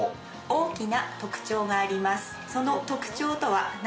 大きな特徴があります。